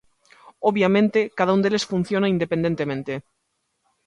Obviamente, cada un deles funciona independentemente.